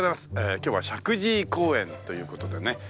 今日は石神井公園という事でね。